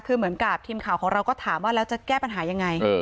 คือเหมือนกับทีมข่าวของเราก็ถามว่าแล้วจะแก้ปัญหายังไง